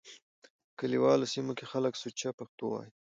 په کليوالو سيمو کې خلک سوچه پښتو وايي.